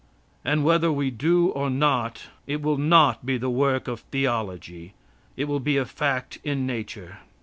And whether we do or not, it will not be the work of theology. It will be a fact in nature.